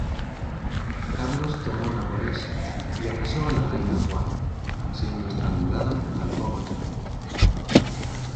Carlos tomó Nápoles y apresó a la reina Juana, siendo estrangulada al poco tiempo.